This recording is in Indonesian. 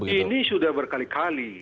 ini sudah berkali kali